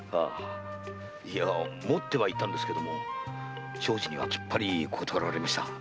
持っていったんですが長次にはきっぱり断られました。